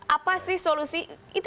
apa sih solusi